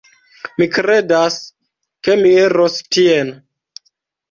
Mi kredas, ke mi iros tien.